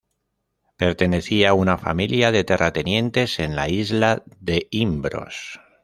Pertenecía a una familia de terratenientes en la isla de Imbros.